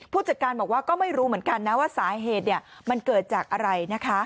ผู้จัดการบอกว่าก็ไม่รู้เหมือนกันนะว่าสาเหตุมันเกิดจากอะไรนะคะ